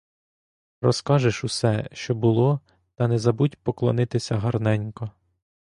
Розкажеш усе, що було, та не забудь поклонитися гарненько.